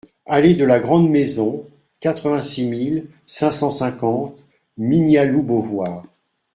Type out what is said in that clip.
Allée de la Grand'Maison, quatre-vingt-six mille cinq cent cinquante Mignaloux-Beauvoir